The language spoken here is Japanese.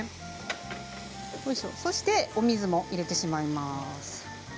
そしてお水も入れてしまいます。